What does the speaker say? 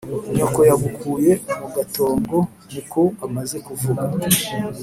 nyoko yagukuye mu gatongo niko amaze kuvuga